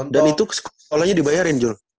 dan itu sekolahnya dibayarin jul